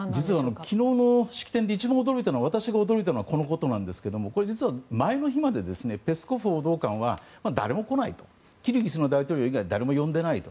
実は昨日の式典で私が一番驚いたのはこのことなんですけども実は、前の日までペスコフ報道官は誰も来ないキルギスの大統領以外誰も呼んでないと。